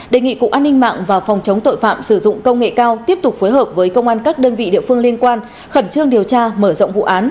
đề nghị cục an ninh mạng và phòng chống tội phạm sử dụng công nghệ cao tiếp tục phối hợp với công an các đơn vị địa phương liên quan khẩn trương điều tra mở rộng vụ án